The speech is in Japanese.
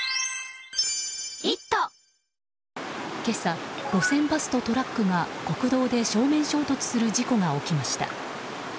今朝、路線バスとトラックが国道で正面衝突する事故が起きました。